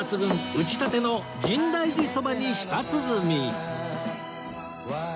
打ち立ての深大寺そばに舌鼓